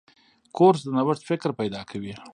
کورس د نوښت فکر پیدا کوي.